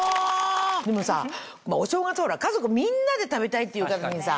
でもさお正月家族みんなで食べたいっていうためにさ